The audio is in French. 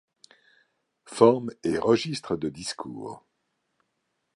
Formes et registres de discours.